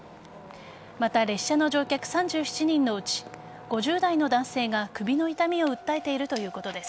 また、列車の乗客３７人のうち５０代の男性が首の痛みを訴えているということです。